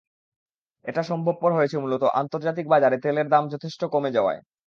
এটা সম্ভবপর হয়েছে মূলত আন্তর্জাতিক বাজারে তেলের দাম যথেষ্ট কমে যাওয়ায়।